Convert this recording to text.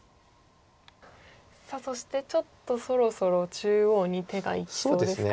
さあそしてちょっとそろそろ中央に手がいきそうですか？